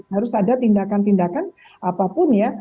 harus ada tindakan tindakan apapun ya